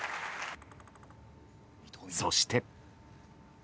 そして。